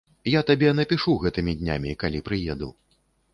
Я табе напішу гэтымі днямі, калі прыеду.